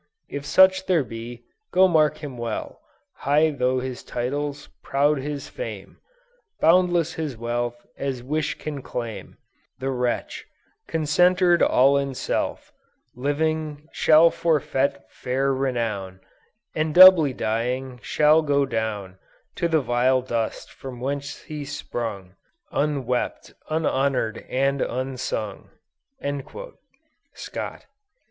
"If such there be, go mark him well; High though his titles, proud his fame, Boundless his wealth as wish can claim, The wretch, concentered all in self, Living, shall forfeit fair renown, And doubly dying, shall go down To the vile dust from whence he sprung Unwept, unhonored, and unsung." _Scott.